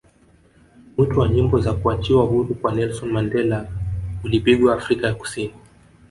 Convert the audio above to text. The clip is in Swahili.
mwito wa nyimbo za kuachiwa huru kwa Nelson Mandela ulipigwa Afrika ya kusini